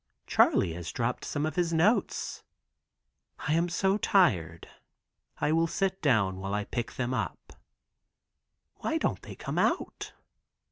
Charley has dropped some of his notes. I am so tired. I will sit down while I pick them up. Why don't they come out?